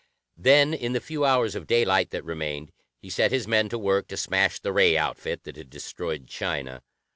Then, in the few hours of daylight that remained, he set his men to work to smash the ray outfit that had destroyed China.